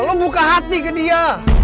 lo buka hati ke dia